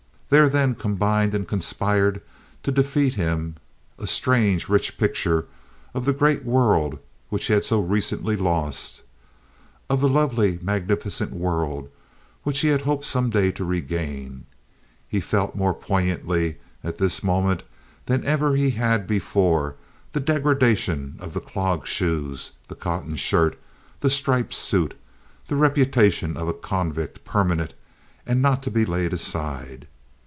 There then combined and conspired to defeat him a strange, rich picture of the great world he had so recently lost, of the lovely, magnificent world which he hoped some day to regain. He felt more poignantly at this moment than ever he had before the degradation of the clog shoes, the cotton shirt, the striped suit, the reputation of a convict, permanent and not to be laid aside.